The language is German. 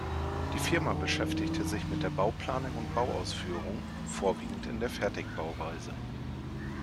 Die Firma beschäftigte sich mit der Bauplanung und Bauausführung, vorwiegend in der Fertigbauweise.